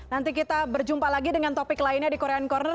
nanti kita berjumpa lagi dengan topik lainnya di korean corner